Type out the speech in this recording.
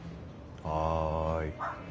はい。